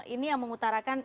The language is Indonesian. ini yang mengutarakan